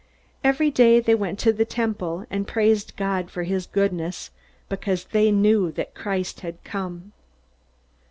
Every day they went to the Temple and praised God for his goodness, because they knew that Christ had come.